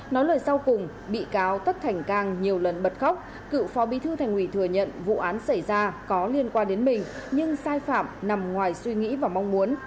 nói lời sau cùng bị cáo tất thành cang nhiều lần bật khóc cựu phó bí thư thành ủy thừa nhận vụ án xảy ra có liên quan đến mình nhưng sai phạm nằm ngoài suy nghĩ và mong muốn